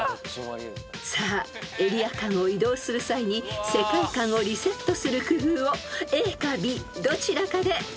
［さあエリア間を移動する際に世界観をリセットする工夫をＡかＢどちらかでお答えください］